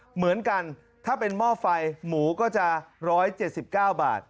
เหมือนกันถ้าเป็นหม้อไฟหมูก็จะ๑๗๙บาท